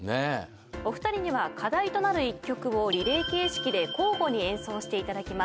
お二人には課題となる１曲をリレー形式で交互に演奏していただきます。